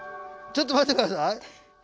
ちょっと待って下さい。